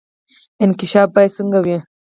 انکشاف باید څنګه وي؟